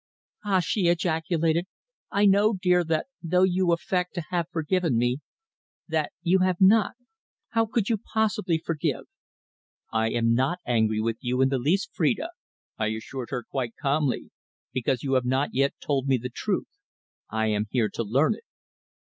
"Ah!" she ejaculated. "I know, dear, that though you affect to have forgiven me that you have not. How could you possibly forgive?" "I am not angry with you in the least, Phrida!" I assured her quite calmly. "Because you have not yet told me the truth. I am here to learn it."